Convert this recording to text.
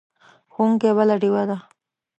ښوونکی بله ډیوه ده.